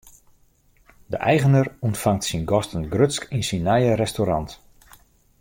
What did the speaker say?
De eigener ûntfangt syn gasten grutsk yn syn nije restaurant.